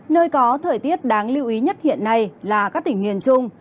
nơi có thời tiết đáng lưu ý nhất hiện nay là các tỉnh miền trung